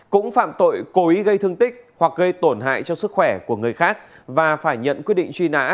cũng phạm tội cố ý gây thương tích hoặc gây tổn hại cho sức khỏe của người khác và phải nhận quyết định truy nã